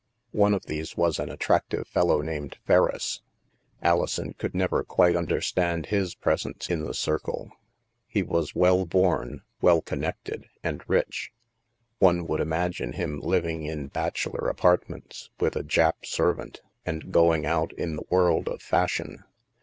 One of these was an attractive fellow named Ferriss. Alison could never quite understand his presence in the circle. He was well bom, well con nected, and rich. One would imagine him living in bachelor apartments with a Jap servant, and go ing out in the world of fashion.